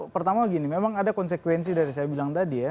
pertama gini memang ada konsekuensi dari saya bilang tadi ya